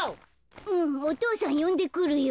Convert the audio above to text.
うんお父さんよんでくるよ。